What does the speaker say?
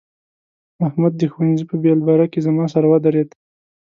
احمد د ښوونځي په بېلبره کې زما سره ودرېد.